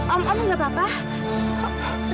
om enggak apa apa